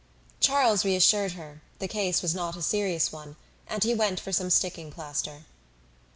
Charles reassured her; the case was not a serious one, and he went for some sticking plaster.